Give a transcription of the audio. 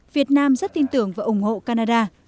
việt nam rất tin tưởng và ủng hộ canada